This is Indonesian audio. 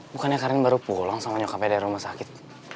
bukannya karin baru pulang sama nyokap dari rumah sakit